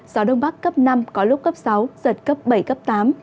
gió đông bắc cấp năm có lúc cấp sáu giật cấp bảy cấp tám